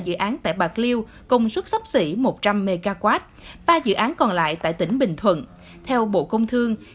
dự án tại bạc liêu công suất sắp xỉ một trăm linh mw ba dự án còn lại tại tỉnh bình thuận theo bộ công thương